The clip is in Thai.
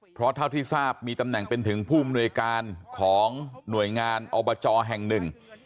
เพราะเท่าที่ทราบมีตำแหน่งเป็นถึงผู้อำนวยการของหน่วยงานอบจแห่งหนึ่ง